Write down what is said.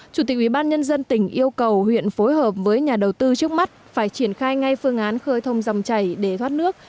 chủ tịch ubnd tỉnh yêu cầu huyện phối hợp với nhà đầu tư trước mắt phải triển khai ngay phương án khơi thông dòng chảy để thoát nước